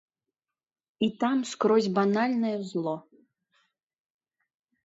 І там скрозь банальнае зло.